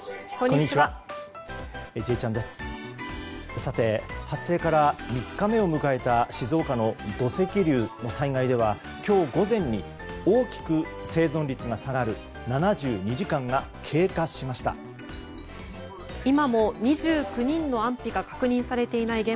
さて、発生から３日目を迎えた静岡の土石流の災害では今日午前に大きく生存率が下がる７２時間が経過しました。